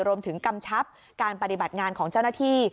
กำชับการปฏิบัติงานของเจ้าหน้าที่